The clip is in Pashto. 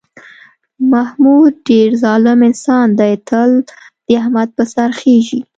محمود ډېر ظالم انسان دی، تل د احمد په سر خېژي.